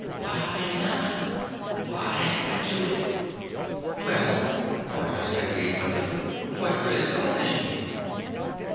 Why not? What happened to it?" "Well," Forrester said reasonably, "what good is television?"